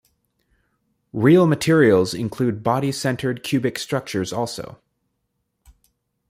Real materials include body-centered cubic structures also.